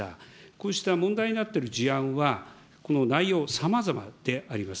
こうした問題になっている事案は、この内容さまざまであります。